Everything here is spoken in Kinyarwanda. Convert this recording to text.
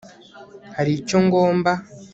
hari icyo ngomba